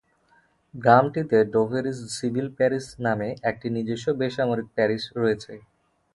গ্রামটিতে Doveridge civil parish নামে একটি নিজস্ব বেসামরিক প্যারিশ রয়েছে।